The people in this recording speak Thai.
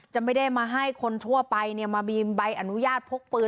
จะไม่ได้มาให้คนทั่วไปมาบีมใบอนุญาตพกปืน